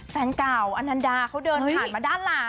แฟนเก่าอนันดาเขาเดินผ่านมาด้านหลัง